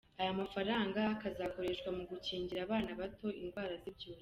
Aya mafaranga akazakoreshwa mu gukingira abana bato indwara z’ibyorezo.